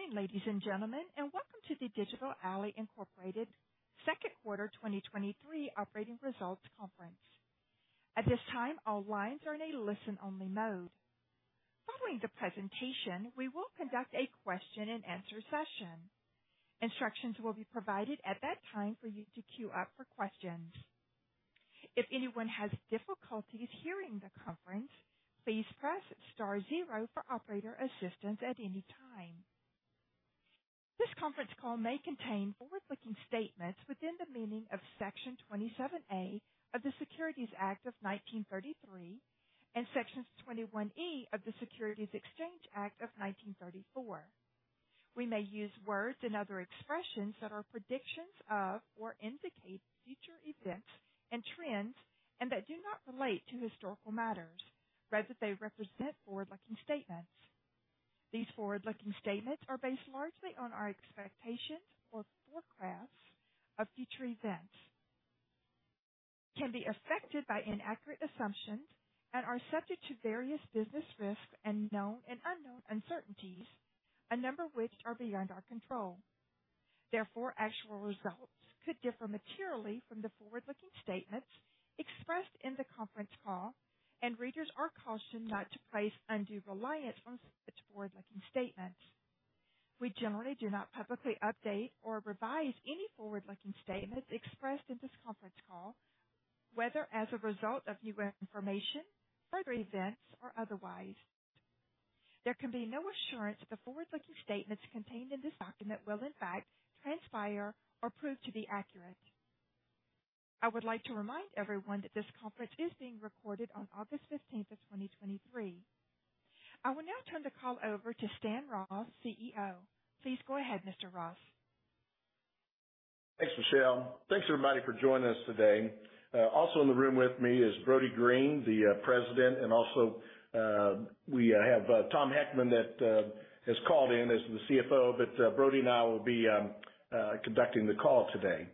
Good morning, ladies and gentlemen, and welcome to the Digital Ally, Inc. Q2 2023 Operating Results Conference. At this time, all lines are in a listen-only mode. Following the presentation, we will conduct a question-and-answer session. Instructions will be provided at that time for you to queue up for questions. If anyone has difficulties hearing the conference, please press star 0 for operator assistance at any time. This conference call may contain forward-looking statements within the meaning of Section 27A of the Securities Act of 1933 and Section 21E of the Securities Exchange Act of 1934. We may use words and other expressions that are predictions of or indicate future events and trends, and that do not relate to historical matters, rather they represent forward-looking statements. These forward-looking statements are based largely on our expectations or forecasts of future events, can be affected by inaccurate assumptions, and are subject to various business risks and known and unknown uncertainties, a number of which are beyond our control. Therefore, actual results could differ materially from the forward-looking statements expressed in the conference call, and readers are cautioned not to place undue reliance on such forward-looking statements. We generally do not publicly update or revise any forward-looking statements expressed in this conference call, whether as a result of new information, further events, or otherwise. There can be no assurance the forward-looking statements contained in this document will, in fact, transpire or prove to be accurate. I would like to remind everyone that this conference is being recorded on August 15th, 2023. I will now turn the call over to Stan Ross, CEO. Please go ahead, Mr. Ross. Thanks, Michelle. Thanks, everybody, for joining us today. Also in the room with me is Brody Green, President, and Tom Heckman, that has called in, as the CFO. Brody and I will be conducting the call today.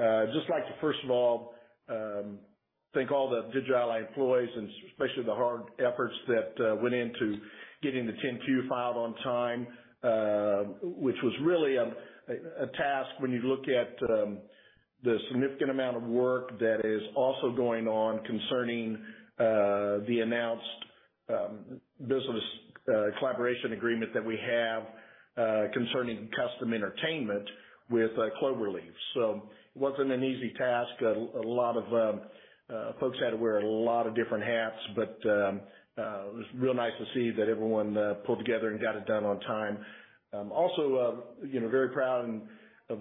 I'd just like to, first of all, thank all the Digital Ally employees and especially the hard efforts that went into getting the 10-Q filed on time, which was really a task when you look at the significant amount of work that is also going on concerning the announced business collaboration agreement that we have concerning Kustom Entertainment with Clover Leaf. So it wasn't an easy task. A, a lot of folks had to wear a lot of different hats, but it was real nice to see that everyone pulled together and got it done on time. Also, you know, very proud of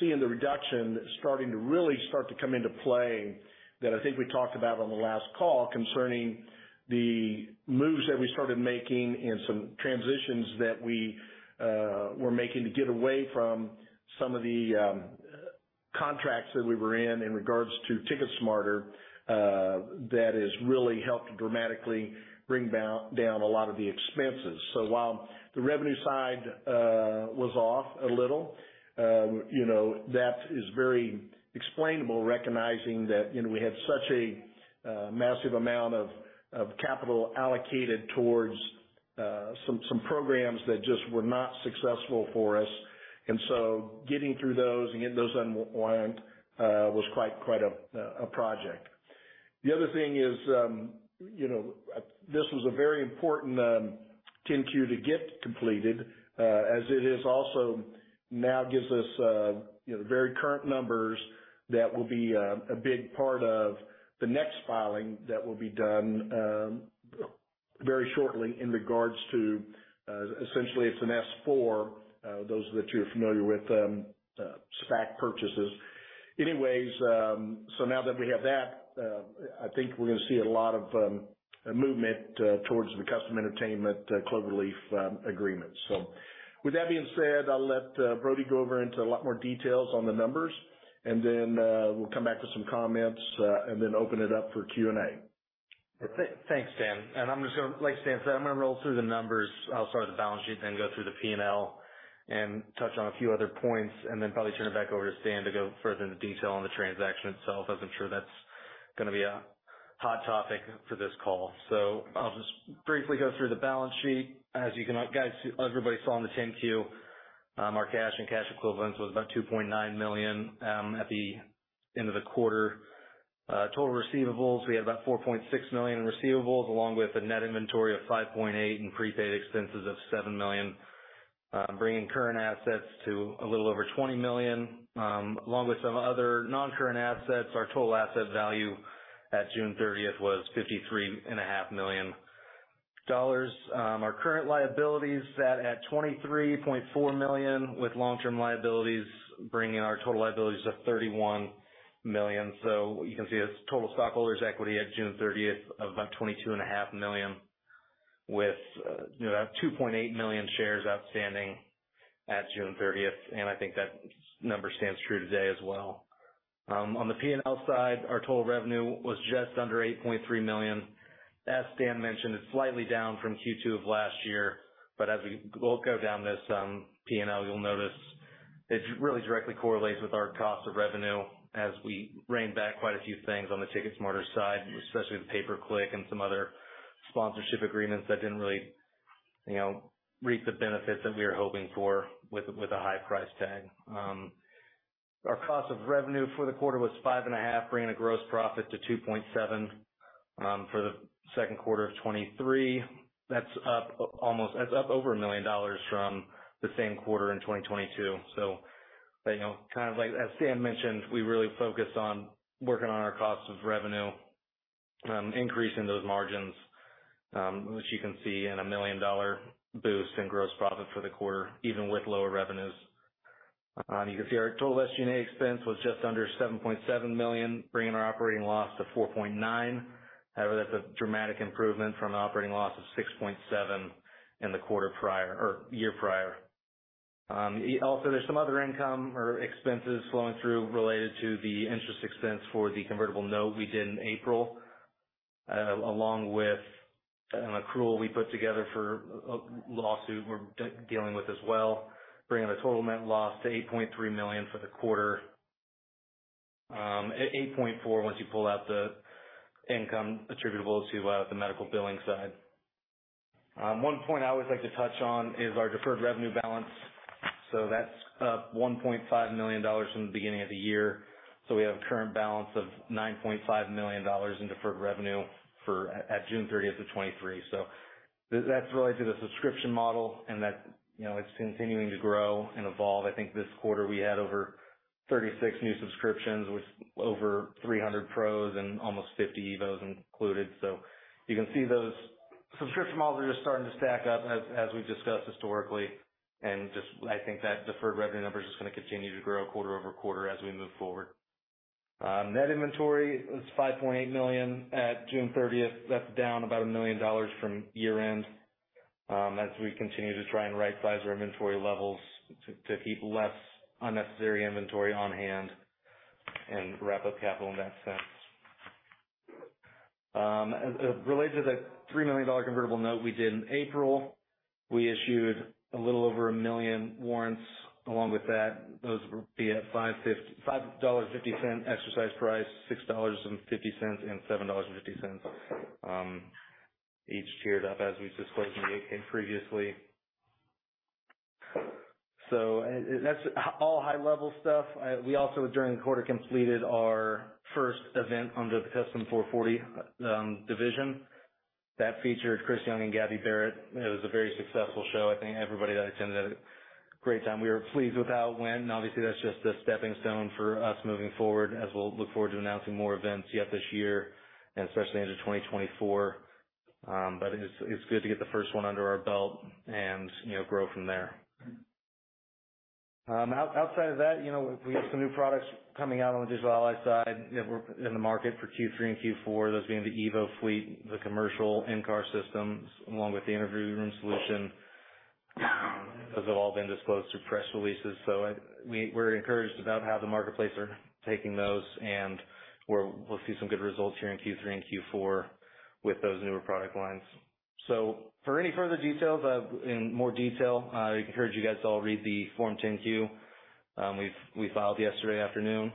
seeing the reduction starting to really start to come into play that I think we talked about on the last call, concerning the moves that we started making and some transitions that we were making to get away from some of the contracts that we were in, in regards to TicketSmarter, that has really helped dramatically bring down, down a lot of the expenses. While the revenue side was off a little, you know, that is very explainable, recognizing that, you know, we had such a massive amount of capital allocated towards some, some programs that just were not successful for us. Getting through those and getting those unwind was quite, quite a project. The other thing is, you know, this was a very important 10-Q to get completed, as it is also now gives us, you know, very current numbers that will be a big part of the next filing that will be done very shortly in regards to, essentially, it's an S-4, those that you're familiar with SPAC purchases. Anyways, so now that we have that, I think we're going to see a lot of movement towards the Kustom Entertainment Clover Leaf agreement. With that being said, I'll let Brody go over into a lot more details on the numbers, and then we'll come back with some comments, and then open it up for Q&A. Thanks, Stan, and I'm just gonna-- Like Stan said, I'm gonna roll through the numbers. I'll start with the balance sheet, then go through the P&L and touch on a few other points, and then probably turn it back over to Stan to go further into detail on the transaction itself, as I'm sure that's gonna be a hot topic for this call. I'll just briefly go through the balance sheet. As you can, guys, everybody saw in the 10-Q, our cash and cash equivalents was about $2.9 million at the end of the quarter. Total receivables, we had about $4.6 million in receivables, along with a net inventory of $5.8 million and prepaid expenses of $7 million, bringing current assets to a little over $20 million. Along with some other non-current assets, our total asset value at June 30th was $53.5 million. Our current liabilities sat at $23.4 million, with long-term liabilities, bringing our total liabilities to $31 million. You can see as total stockholders' equity at June 30th of about $22.5 million, with, you know, 2.8 million shares outstanding at June 30th, and I think that number stands true today as well. On the P&L side, our total revenue was just under $8.3 million. As Stan mentioned, it's slightly down from Q2 of last year, but as we, we'll go down this P&L, you'll notice. It really directly correlates with our cost of revenue as we reined back quite a few things on the TicketSmarter side, especially the pay-per-click and some other sponsorship agreements that didn't really, you know, reap the benefits that we were hoping for with, with a high price tag. Our cost of revenue for the quarter was $5.5 million, bringing the gross profit to $2.7 million for the second quarter of 2023. That's up over $1 million from the same quarter in 2022. You know, kind of like, as Stan mentioned, we really focused on working on our cost of revenue, increasing those margins, which you can see in a $1 million boost in gross profit for the quarter, even with lower revenues. You can see our total SG&A expense was just under $7.7 million, bringing our operating loss to $4.9 million. However, that's a dramatic improvement from an operating loss of $6.7 million in the quarter prior, or year prior. Also, there's some other income or expenses flowing through related to the interest expense for the convertible note we did in April, along with an accrual we put together for a lawsuit we're dealing with as well, bringing the total net loss to $8.3 million for the quarter. $8.4 million, once you pull out the income attributable to the medical billing side. One point I always like to touch on is our deferred revenue balance. That's up $1.5 million from the beginning of the year. We have a current balance of $9.5 million in deferred revenue at June 30, 2023. That's related to the subscription model, and that, you know, it's continuing to grow and evolve. I think this quarter we had over 36 new subscriptions, with over 300 Pros and almost 50 EVOs included. You can see those subscription models are just starting to stack up as, as we've discussed historically. Just I think that deferred revenue number is just gonna continue to grow quarter-over-quarter as we move forward. Net inventory was $5.8 million at June 30. That's down about $1 million from year-end, as we continue to try and rightsize our inventory levels to keep less unnecessary inventory on hand and wrap up capital in that sense. Related to the $3 million convertible note we did in April, we issued a little over 1 million warrants along with that. Those will be at $5.50 exercise price, $6.50, and $7.50, each tiered up as we've disclosed in the 8-K previously. That's all high-level stuff. We also, during the quarter, completed our first event under the Kustom 440 division. That featured Chris Young and Gabby Barrett. It was a very successful show. I think everybody that attended had a great time. We were pleased with how it went, and obviously that's just a stepping stone for us moving forward as we'll look forward to announcing more events yet this year, and especially into 2024. It's, it's good to get the first one under our belt and, you know, grow from there. Outside of that, you know, we have some new products coming out on the Digital Ally side that we're in the market for Q3 and Q4. Those being the EVO Fleet, the commercial in-car systems, along with the Interview Room Solution, those have all been disclosed through press releases. We're encouraged about how the marketplace are taking those, and we'll see some good results here in Q3 and Q4 with those newer product lines. For any further details, in more detail, I encourage you guys to all read the Form 10-Q, we filed yesterday afternoon.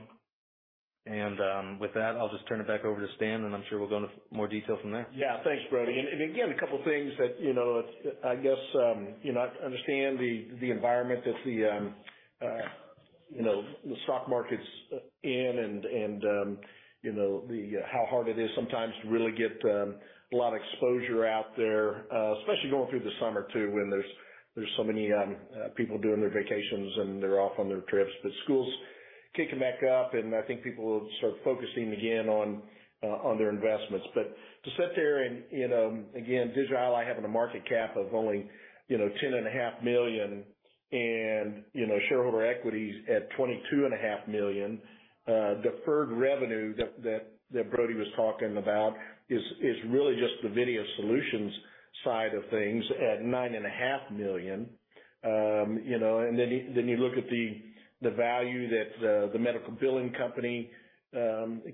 With that, I'll just turn it back over to Stan, and I'm sure we'll go into more detail from there. Yeah. Thanks, Brody. And again, a couple things that, you know, I understand the environment that the, you know, the stock market's in and, and, you know, how hard it is sometimes to really get a lot of exposure out there, especially going through the summer, too, when there's, there's so many people doing their vacations and they're off on their trips. School's kicking back up, and I think people will start focusing again on their investments. To sit there and, and, again, Digital Ally having a market cap of only, you know, $10.5 million, and, you know, shareholder equity's at $22.5 million, deferred revenue that, that, that Brody was talking about is, is really just the video solutions side of things at $9.5 million. You know, and then you, then you look at the, the value that, the medical billing company,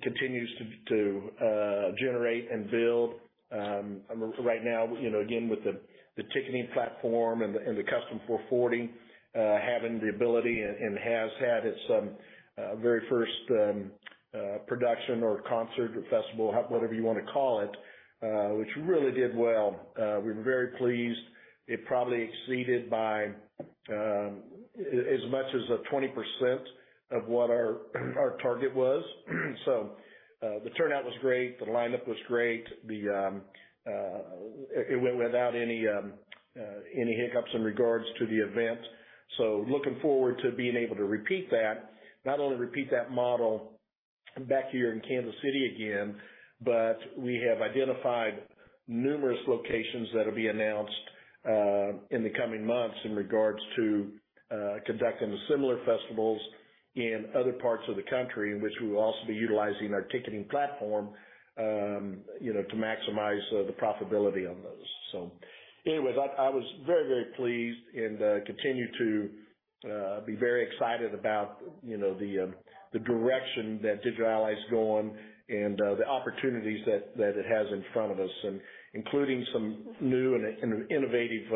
continues to, to, generate and build. Right now, you know, again, with the, the ticketing platform and the, and the Kustom 440, having the ability and, and has had its, very first, production or concert or festival, whatever you wanna call it, which really did well. We're very pleased. It probably exceeded by as much as 20% of what our, our target was. The turnout was great, the lineup was great. The it went without any hiccups in regards to the event. Looking forward to being able to repeat that, not only repeat that model back here in Kansas City again, but we have identified numerous locations that will be announced in the coming months in regards to conducting similar festivals in other parts of the country, in which we will also be utilizing our ticketing platform, you know, to maximize the profitability on those. Anyways, I, I was very, very pleased and continue to be very excited about, you know, the direction that Digital Ally's going and the opportunities that it has in front of us, and including some new and innovative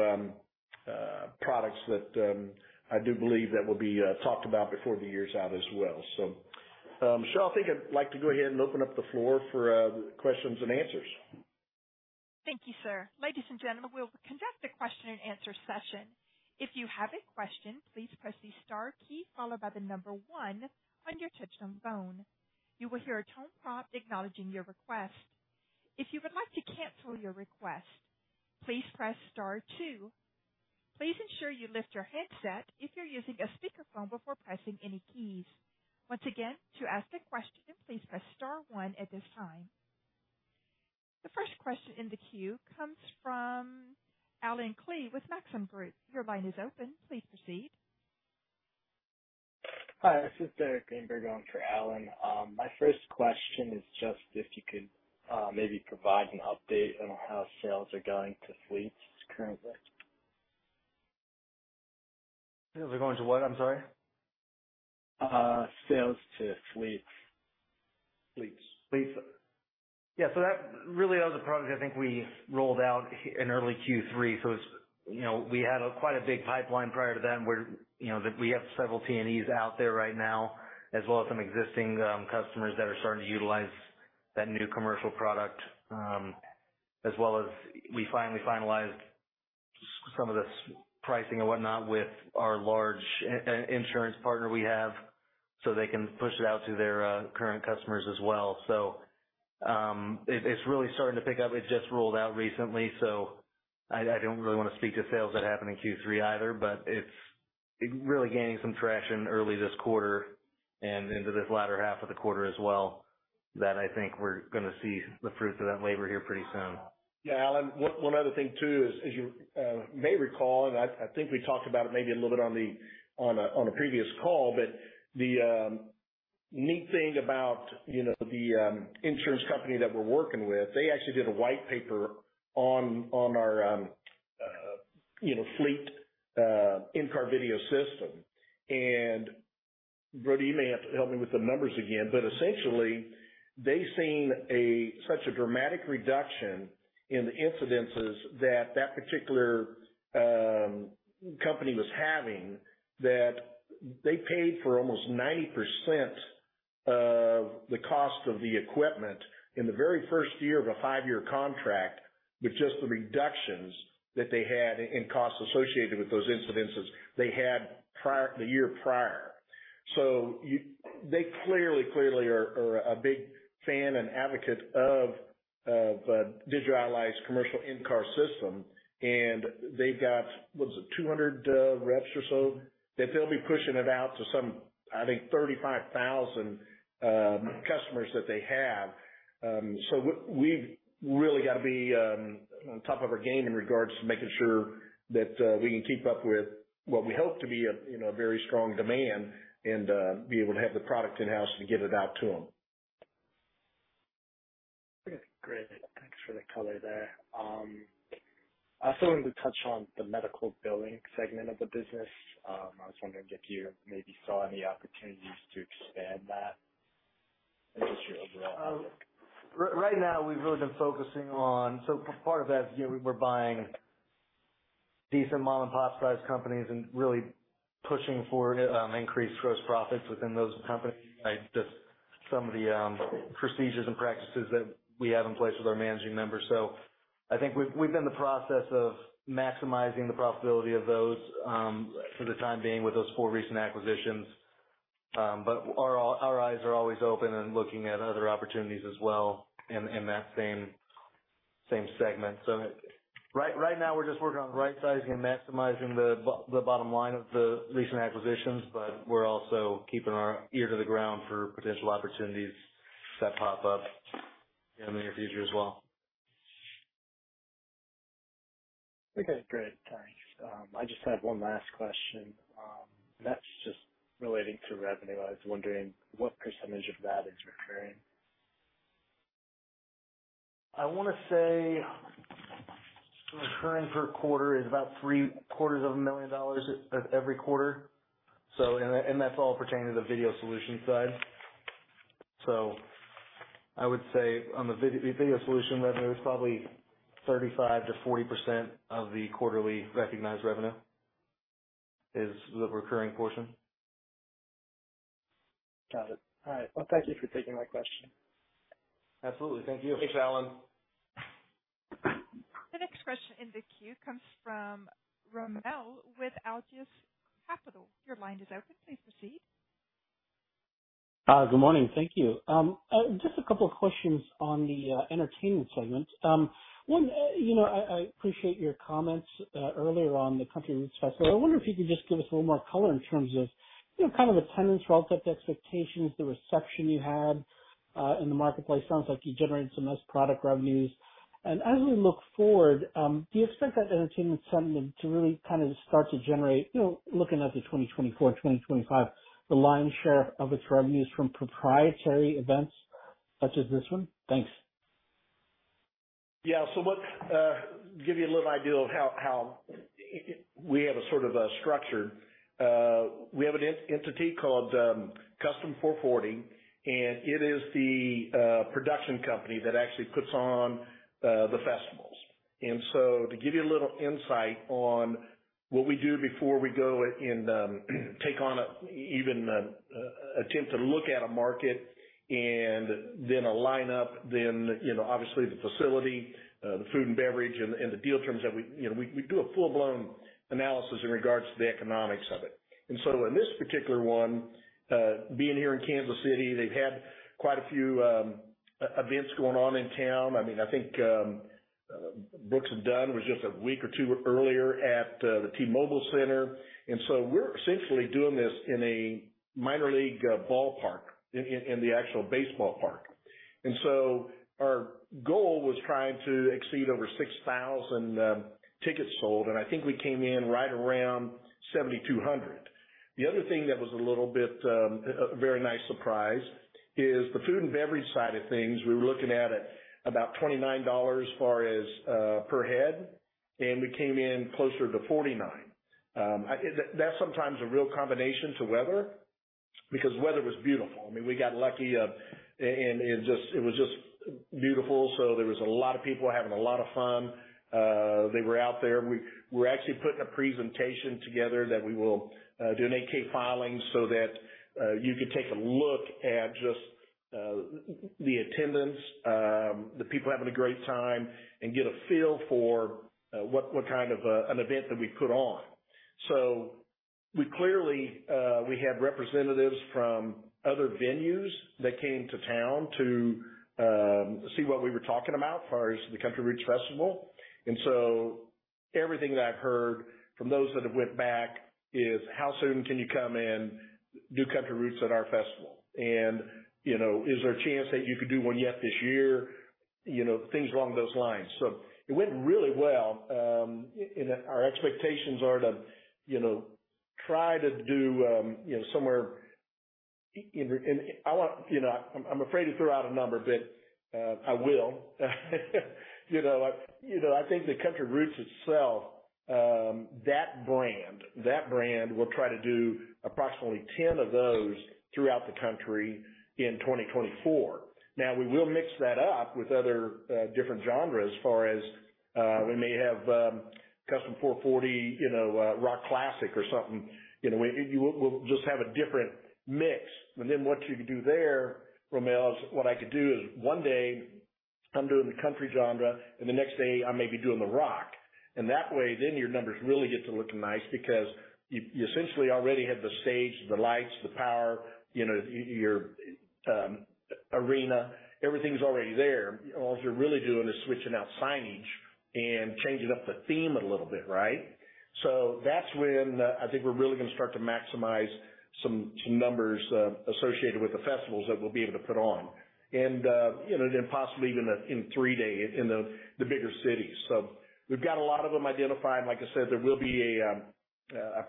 products that I do believe that will be talked about before the year's out as well. I think I'd like to go ahead and open up the floor for questions and answers. Thank you, sir. Ladies and gentlemen, we'll conduct a question and answer session. If you have a question, please press the star key, followed by the number one on your touch-tone phone. You will hear a tone prompt acknowledging your request. If you would like to cancel your request, please press star two. Please ensure you lift your headset if you're using a speakerphone before pressing any keys. Once again, to ask a question, please press star one at this time. The first question in the queue comes from Allen Klee with Maxim Group. Your line is open. Please proceed. Hi, this is Derek Greenberg in for Alan. My first question is just if you could maybe provide an update on how sales are going to fleets currently? Sales are going to what? I'm sorry. Sales to fleets. Fleets. Fleets. Yeah, that really is a product I think we rolled out in early Q3. It's, you know, we had a quite a big pipeline prior to then, where, you know, we have several T&Es out there right now, as well as some existing customers that are starting to utilize that new commercial product. As well as we finally finalized some of the pricing and whatnot with our large insurance partner we have, so they can push it out to their current customers as well. It, it's really starting to pick up. It just rolled out recently, so I, I don't really want to speak to sales that happened in Q3 either, but it's really gaining some traction early this quarter and into this latter half of the quarter as well, that I think we're gonna see the fruits of that labor here pretty soon. Yeah, Alan, one, one other thing, too, is, as you may recall, and I, I think we talked about it maybe a little bit on a, on a previous call, but the neat thing about, you know, the insurance company that we're working with, they actually did a white paper on, on our, you know, fleet in-car video system. Brody, you may have to help me with the numbers again, but essentially, they've seen such a dramatic reduction in the incidences that, that particular company was having, that they paid for almost 90% of the cost of the equipment in the very first year of a five-year contract, with just the reductions that they had in costs associated with those incidences they had the year prior. You they clearly, clearly are, are a big fan and advocate of, of Digital Ally's commercial in-car system, and they've got, what is it? 200 reps or so, that they'll be pushing it out to some, I think, 35,000 customers that they have. We've really got to be on top of our game in regards to making sure that we can keep up with what we hope to be a, you know, a very strong demand and be able to have the product in-house to get it out to them. Okay, great. Thanks for the color there. I also wanted to touch on the medical billing segment of the business. I was wondering if you maybe saw any opportunities to expand that and just your overall outlook? Right now, we've really been focusing on... part of that, you know, we're buying decent model and profit-sized companies and really pushing for increased gross profits within those companies, by just some of the procedures and practices that we have in place with our managing members. I think we've, we've been in the process of maximizing the profitability of those for the time being with those four recent acquisitions. Our, our eyes are always open and looking at other opportunities as well in, in that same, same segment. Right, right now we're just working on right-sizing and maximizing the bottom line of the recent acquisitions, but we're also keeping our ear to the ground for potential opportunities that pop up in the near future as well. Okay, great. Thanks. I just have one last question, that's just relating to revenue. I was wondering what % of that is recurring? I want to say recurring per quarter is about $750,000 every quarter. That's all pertaining to the video solution side. I would say on the video solution revenue, it's probably 35%-40% of the quarterly recognized revenue, is the recurring portion. Got it. All right. Well, thank you for taking my question. Absolutely. Thank you. Thanks, Alan. The next question in the queue comes from Rommel with Aegis Capital. Your line is open. Please proceed. Good morning. Thank you. Just a couple of questions on the entertainment segment. One, you know, I, I appreciate your comments earlier on the Country Roots Festival. I wonder if you could just give us a little more color in terms of, you know, kind of attendance relative to expectations, the reception you had in the marketplace. Sounds like you generated some nice product revenues. As we look forward, do you expect that entertainment segment to really kind of start to generate, you know, looking at the 2024, 2025, the lion's share of its revenues from proprietary events such as this one? Thanks. Yeah. Let's give you a little idea of how, how we have a sort of a structure. We have an entity called Kustom 440, and it is the production company that actually puts on the festival. To give you a little insight on what we do before we go and take on, even, attempt to look at a market and then a lineup, then, you know, obviously the facility, the food and beverage and the deal terms that we, you know, we, we do a full-blown analysis in regards to the economics of it. In this particular one, being here in Kansas City, they've had quite a few events going on in town. I mean, I think, Brooks & Dunn was just a week or two earlier at the T-Mobile Center. So we're essentially doing this in a minor league ballpark, in, in, in the actual baseball park. So our goal was trying to exceed over 6,000 tickets sold. I think we came in right around 7,200. The other thing that was a little bit, a very nice surprise is the food and beverage side of things. We were looking at it about $29 as far as per head. We came in closer to $49. I think that's sometimes a real combination to weather, because weather was beautiful. I mean, we got lucky, it was just beautiful. There was a lot of people having a lot of fun. They were out there. We're actually putting a presentation together that we will do an 8-K filing so that you can take a look at just the attendance, the people having a great time and get a feel for what kind of an event that we put on. We clearly had representatives from other venues that came to town to see what we were talking about far as the Country Roots Festival. Everything that I've heard from those that have went back is: "How soon can you come and do Country Roots at our festival?" You know: "Is there a chance that you could do one yet this year?" You know, things along those lines. It went really well. Our expectations are to, you know, try to do, you know, somewhere in... I want -- you know, I'm, I'm afraid to throw out a number, but I will. You know, I, you know, I think the Country Roots itself, that brand, that brand will try to do approximately 10 of those throughout the country in 2024. Now, we will mix that up with other different genres as far as we may have Kustom 440, you know, rock classic or something. You know, we'll just have a different mix. What you can do there, Rommel, is what I could do is one day I'm doing the country genre, and the next day I may be doing the rock. That way, then your numbers really get to looking nice because you, you essentially already have the stage, the lights, the power, you know, your arena. Everything's already there. All you're really doing is switching out signage and changing up the theme a little bit, right? That's when, I think we're really going to start to maximize some, some numbers associated with the festivals that we'll be able to put on. You know, then possibly even a, in three day in the, the bigger cities. We've got a lot of them identified. Like I said, there will be a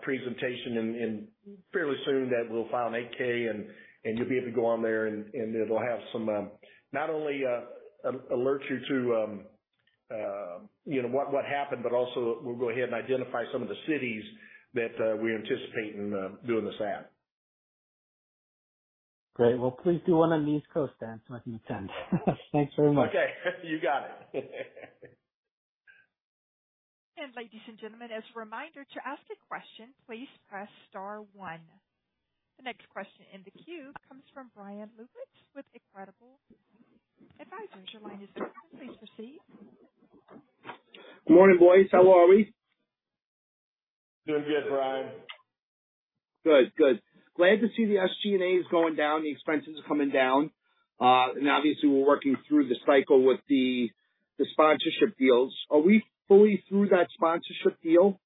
presentation in fairly soon that we'll file an 8-K, and you'll be able to go on there, and it'll have some not only alert you to, you know, what happened, but also we'll go ahead and identify some of the cities that we're anticipating doing this at. Great. Well, please do one on the East Coast, then, so I can attend. Thanks very much. Okay, you got it. Ladies and gentlemen, as a reminder, to ask a question, please press star one. The next question in the queue comes from Brian Ludwig with Incredible Advisors. Your line is open. Please proceed. Good morning, boys. How are we? Doing good, Brian. Good. Good. Glad to see the SG&A is going down, the expenses are coming down. Obviously we're working through the cycle with the, the sponsorship deals. Are we fully through that sponsorship deal?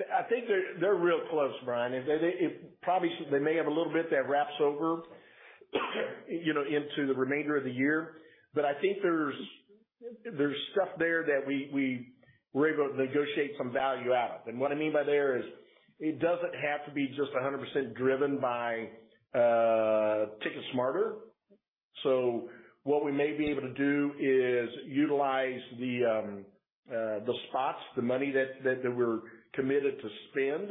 I think they're, they're real close, Brian. They, it probably they may have a little bit that wraps over, you know, into the remainder of the year. I think there's, there's stuff there that we, we were able to negotiate some value out of. What I mean by that is, it doesn't have to be just 100% driven by TicketSmarter. What we may be able to do is utilize the spots, the money that, that, that we're committed to spend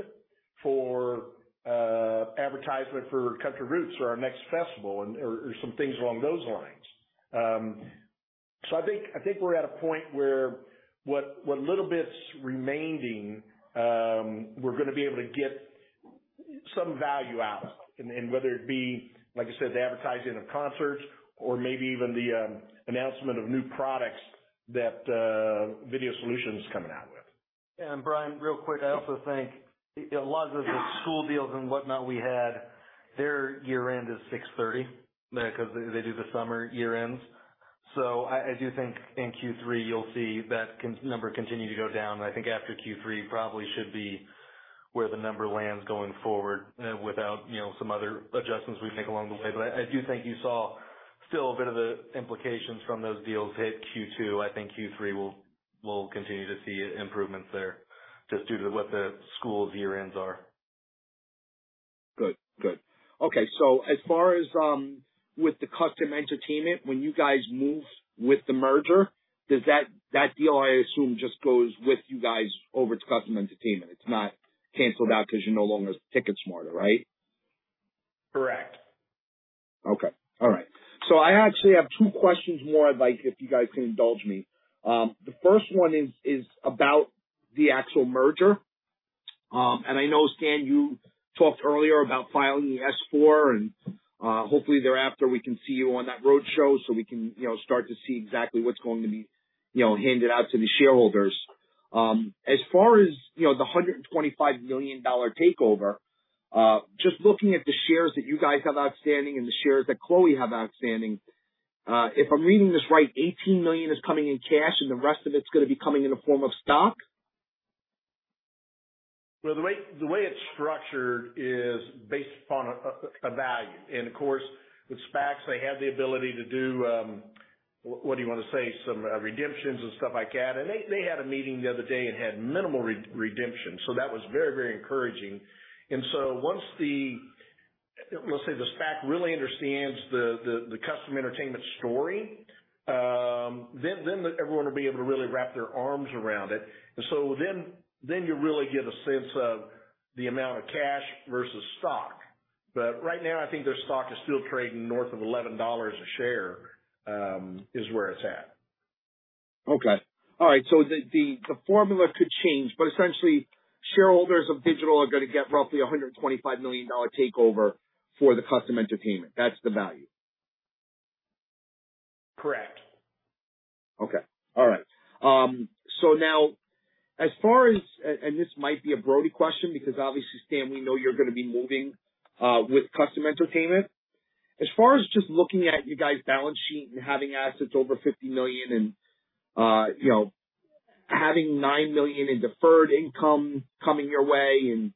for advertisement for Country Roots or our next festival and, or, or some things along those lines. I think, I think we're at a point where what, what little bits remaining, we're going to be able to get some value out. Whether it be, like I said, the advertising of concerts or maybe even the announcement of new products that Video Solutions is coming out with. Brian, real quick, I also think a lot of the school deals and whatnot we had, their year end is 6/30, because they do the summer year ends. I, I do think in Q3, you'll see that number continue to go down. I think after Q3, probably should be where the number lands going forward, without, you know, some other adjustments we make along the way. I, I do think you saw still a bit of the implications from those deals hit Q2. I think Q3 we'll continue to see improvements there just due to what the school's year ends are. Good. Good. Okay, as far as with the Kustom Entertainment, when you guys moved with the merger, does that deal, I assume, just goes with you guys over to Kustom Entertainment? It's not canceled out because you're no longer TicketSmarter, right? Okay. All right. I actually have 2 questions more I'd like if you guys can indulge me. The 1st one is, is about the actual merger. I know, Stan, you talked earlier about filing the S-4, hopefully thereafter, we can see you on that roadshow, we can, you know, start to see exactly what's going to be, you know, handed out to the shareholders. As far as you know, the $125 million takeover, just looking at the shares that you guys have outstanding and the shares that CLOE have outstanding, if I'm reading this right, $18 million is coming in cash, and the rest of it's gonna be coming in the form of stock? Well, the way, the way it's structured is based upon a value. Of course, with SPACs, they have the ability to do what do you want to say? Some redemptions and stuff like that. They, they had a meeting the other day and had minimal redemption. That was very, very encouraging. Once the, let's say, the SPAC really understands the Kustom Entertainment story, then, then everyone will be able to really wrap their arms around it. Then, then you really get a sense of the amount of cash versus stock. Right now, I think their stock is still trading north of $11 a share is where it's at. Okay. All right. The, the, the formula could change, but essentially, shareholders of Digital are gonna get roughly a $125 million takeover for the Kustom Entertainment. That's the value? Correct. Okay. All right. Now, as far as... this might be a Brody question because obviously, Stan, we know you're gonna be moving with Kustom Entertainment. As far as just looking at you guys' balance sheet and having assets over $50 million and, you know, having $9 million in deferred income coming your way and,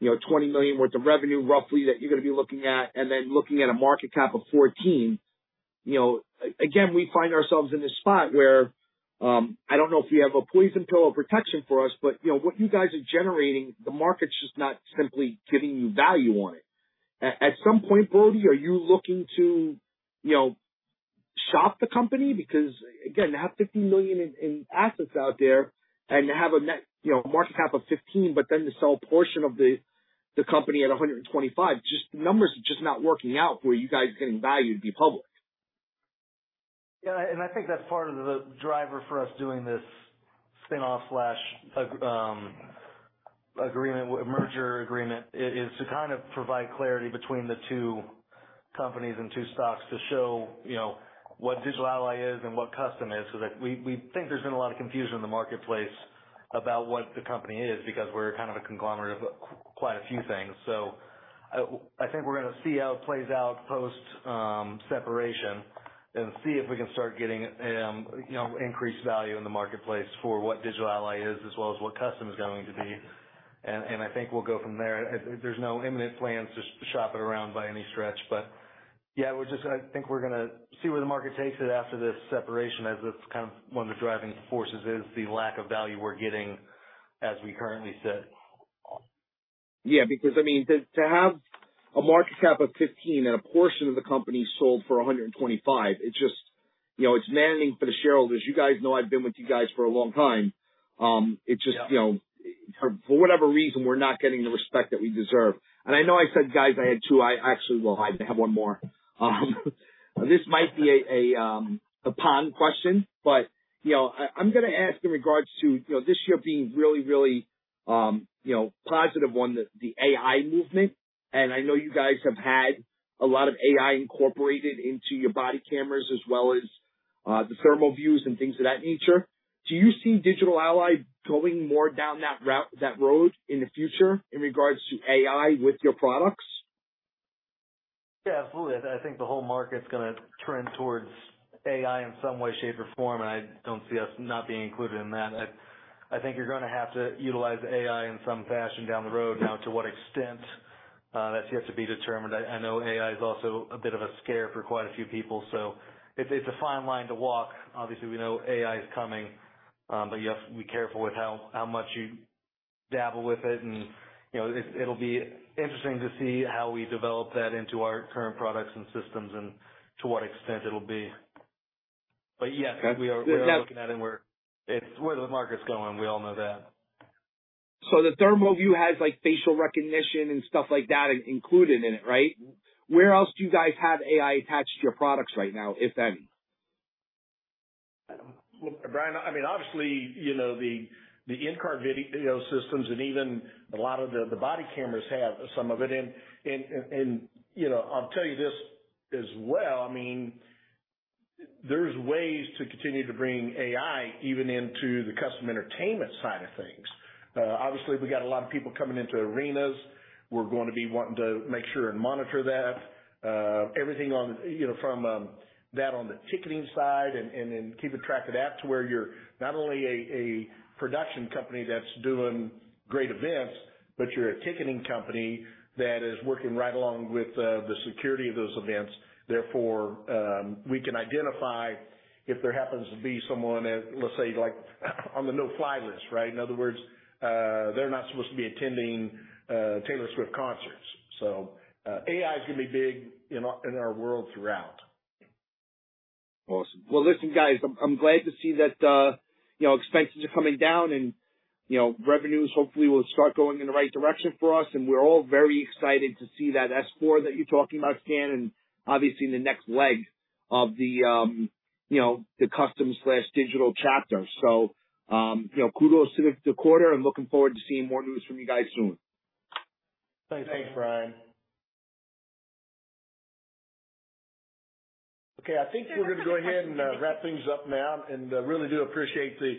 you know, $20 million worth of revenue roughly, that you're gonna be looking at, and then looking at a market cap of $14 million. You know, again, we find ourselves in this spot where, I don't know if you have a poison pill of protection for us, but you know, what you guys are generating, the market's just not simply giving you value on it. At some point, Brody, are you looking to, you know, shop the company? Again, to have $50 million in, in assets out there and to have a net, you know, market cap of $15, but then to sell a portion of the, the company at $125, just the numbers are just not working out for you guys getting valued to be public. Yeah, I think that's part of the driver for us doing this spin-off slash agreement merger agreement, is, is to kind of provide clarity between the two companies and two stocks to show, you know, what Digital Ally is and what Kustom is. Like we, we think there's been a lot of confusion in the marketplace about what the company is, because we're kind of a conglomerate of quite a few things. I think we're gonna see how it plays out post separation and see if we can start getting, you know, increased value in the marketplace for what Digital Ally is, as well as what Kustom is going to be. I think we'll go from there. There's no imminent plans to shop it around by any stretch. Yeah, we're just-- I think we're gonna see where the market takes it after this separation, as that's kind of one of the driving forces, is the lack of value we're getting as we currently sit. Yeah, because I mean, to have a market cap of $15 million and a portion of the company sold for $125 million, it just. You know, it's maddening for the shareholders. You guys know I've been with you guys for a long time. It just. Yeah. you know, for whatever reason, we're not getting the respect that we deserve. I know I said, guys, I had two. I actually, well, I have one more. This might be a, a pond question, but, you know, I, I'm gonna ask in regards to, you know, this year being really, really, you know, positive on the, the AI movement. I know you guys have had a lot of AI incorporated into your body cameras, as well as the ThermoVu and things of that nature. Do you see Digital Ally going more down that road in the future in regards to AI with your products? Yeah, absolutely. I think the whole market's gonna trend towards AI in some way, shape, or form, and I don't see us not being included in that. I, I think you're gonna have to utilize AI in some fashion down the road. Now, to what extent, that's yet to be determined. I, I know AI is also a bit of a scare for quite a few people, so it's, it's a fine line to walk. Obviously, we know AI is coming, but you have to be careful with how, how much you dabble with it. You know, it, it'll be interesting to see how we develop that into our current products and systems and to what extent it'll be. But yes, we are- Yeah. we are looking at it, and we're. It's where the market's going. We all know that. The ThermoVu has, like, facial recognition and stuff like that included in it, right? Mm-hmm. Where else do you guys have AI attached to your products right now, if any? Well, Brian, I mean, obviously, you know, the, the in-car video systems and even a lot of the body cameras have some of it. You know, I'll tell you this as well, I mean, there's ways to continue to bring AI even into the Kustom Entertainment side of things. Obviously, we got a lot of people coming into arenas. We're going to be wanting to make sure and monitor that. Everything on, you know, from that on the ticketing side and keeping track of that, to where you're not only a production company that's doing great events, but you're a ticketing company that is working right along with the security of those events. Therefore, we can identify if there happens to be someone, let's say, like, on the no-fly list, right? In other words, they're not supposed to be attending, Taylor Swift concerts. AI is gonna be big in our, in our world throughout. Awesome. Well, listen, guys, I'm, I'm glad to see that, you know, expenses are coming down and, you know, revenues hopefully will start going in the right direction for us. We're all very excited to see that S-4 that you're talking about, Stan, and obviously, the next leg of the, you know, the Kustom slash Digital chapter. You know, kudos to the quarter and looking forward to seeing more news from you guys soon. Thanks. Thanks, Brian. Okay, I think we're gonna go ahead and wrap things up now. Really do appreciate the,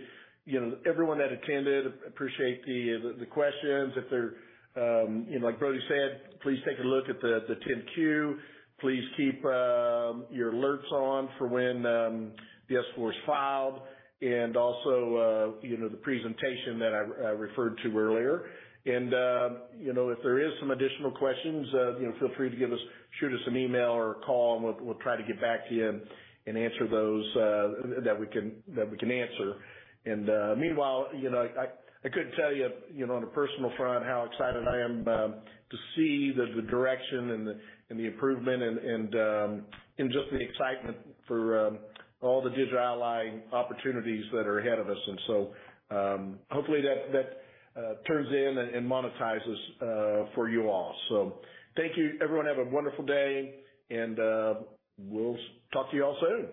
you know, everyone that attended, appreciate the, the, the questions. If there, you know, like Brody said, please take a look at the 10-Q. Please keep your alerts on for when the S-4 is filed and also, you know, the presentation that I, I referred to earlier. You know, if there is some additional questions, you know, feel free to give us, shoot us an email or a call, and we'll, we'll try to get back to you and, and answer those that we can, that we can answer. Meanwhile, you know, I, I couldn't tell you, you know, on a personal front, how excited I am to see the, the direction and the, and the improvement and, and just the excitement for all the Digital Ally opportunities that are ahead of us. Hopefully, that, that turns in and, and monetizes for you all. Thank you, everyone. Have a wonderful day, and we'll talk to you all soon.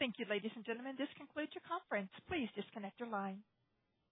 Thank you, ladies and gentlemen. This concludes your conference. Please disconnect your line.